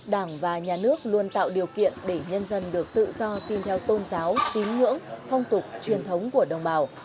đảng và nhà nước luôn tạo điều kiện để nhân dân được tự do tin theo tôn giáo tín ngưỡng phong tục truyền thống của đồng bào